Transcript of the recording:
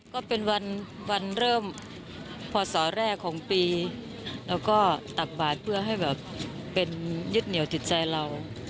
ก็เป็นวันเริ่มพศแรกของปีแล้วก็ตักบาทเพื่อให้แบบเป็นยึดเหนียวจิตใจเรา